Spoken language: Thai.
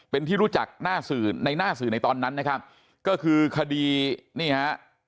เป็นที่รู้จักหน้าสื่อในหน้าสื่อในตอนนั้นนะครับก็คือคดีนี่ฮะ